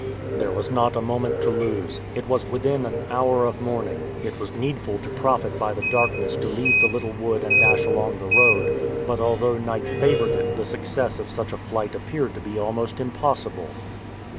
There was not a moment to lose. It was within an hour of morning. It was needful to profit by the darkness to leave the little wood and dash along the road; but although night favored it the success of such a flight appeared to be almost impossible.